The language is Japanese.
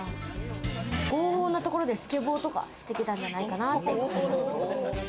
合法のところでスケボーとかしてきたんじゃないかなって思います。